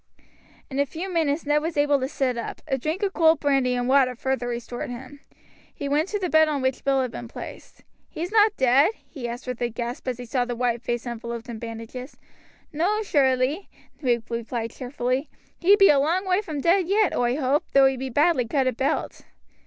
In a few minutes Ned was able to sit up; a drink of cold brandy and water further restored him. He went to the bed on which Bill had been placed. "He's not dead?" he asked with a gasp, as he saw the white face enveloped in bandages. "No, surelie," Luke replied cheerfully; "he be a long way from dead yet, oi hoape, though he be badly cut about."